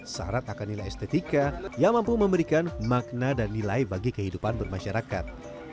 syarat akan nilai estetika yang mampu memberikan makna dan nilai bagi kehidupan bermasyarakat